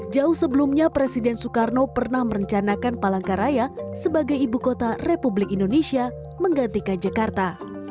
jauh sebelumnya presiden soekarno pernah merencanakan palangkaraya sebagai ibu kota republik indonesia menggantikan jakarta